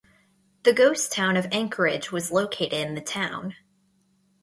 The ghost town of Anchorage was located in the town.